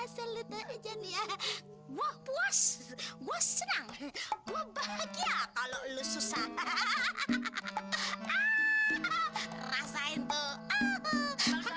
asal itu aja nih ya wah puas puas senang gue bahagia kalau lu susah hahaha